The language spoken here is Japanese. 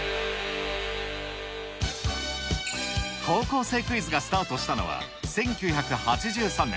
高校生クイズがスタートしたのは１９８３年。